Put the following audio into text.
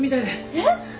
えっ？